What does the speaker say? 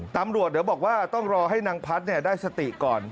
ตำรวจเดี๋ยวบอกว่าต้องรอให้นางพัฒน์ได้สติก่อน